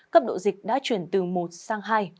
cấp độ dịch đã chuyển từ một sang hai